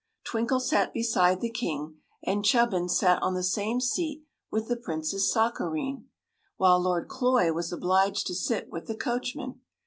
Twinkle sat beside the king, and Chubbins sat on the same seat with the Princess Sakareen, while Lord Cloy was obliged to sit with the coachman.